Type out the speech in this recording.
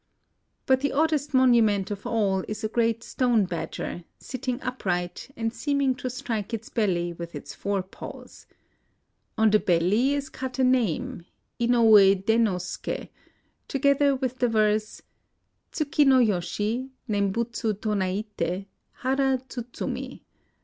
But the oddest monument of all is a great stone badger, sitting upright, and seeming to strike its belly with its fore paws. On the belly is cut a name, Inouye Dennosuke, together with the verse :— TsuM yo yoshi Nembutsu tonaite Hara tsudzuini.